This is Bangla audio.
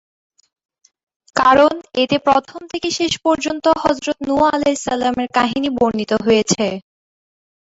কারণ এতে প্রথম থেকে শেষ পর্যন্ত হযরত ‘নূহ’ আলাইহিস সালামের কাহিনী বর্ণিত হয়েছে।